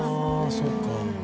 そっか。